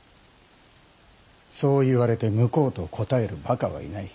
そう言われて向こうと答えるばかはいない。